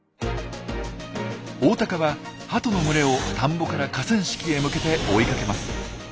オオタカはハトの群れを田んぼから河川敷へ向けて追いかけます。